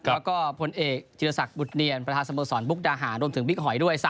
แล้วก็ผลเอกจิตศักดิ์บุตเนียนประธานสมสรรค์บุตรอาหารรวมถึงวิกหอยด้วย